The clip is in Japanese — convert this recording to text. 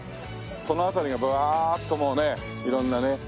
この辺りがバッともうね色んなね。